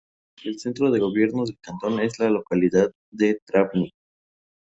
El centro de gobierno del cantón es la localidad de Travnik.